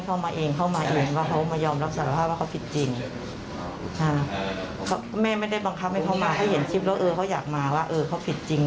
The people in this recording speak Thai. เขาอยากมาว่าเขาผิดจริงนะมันทำไม่ดีจริง